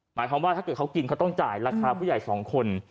หมายความว่าถ้าเกิดเขากินเขาต้องจ่ายราคาผู้ใหญ่๒คน